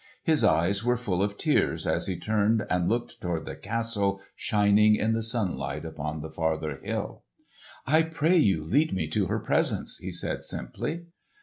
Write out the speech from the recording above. His eyes were full of tears as he turned and looked toward the castle shining in the sunlight upon the farther hill. "I pray you lead me to her presence," he said simply.